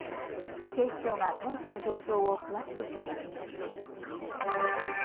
警視庁が当時の状況を詳しく調べています。